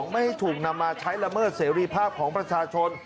ไม่ให้ถูกนำมาใช้ละเมิดเสรีภาพของประชาชน